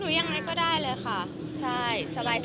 ยังไงก็ได้เลยค่ะใช่สบาย